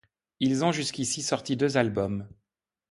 Ils ont jusqu'ici sorti deux albums.